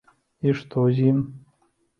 А што з ім?